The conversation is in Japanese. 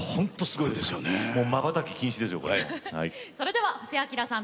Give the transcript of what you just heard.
では布施明さん